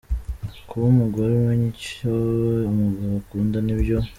Kuba umugore umenya icyo umugabo akunda nibyo.